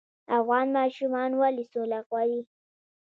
افغان ماشومان ولې سوله غواړي؟